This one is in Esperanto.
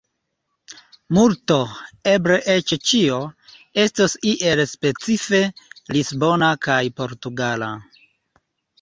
Multo, eble eĉ ĉio, estos iel specife lisbona kaj portugala.